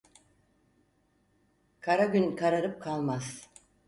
Kara gün kararıp kalmaz.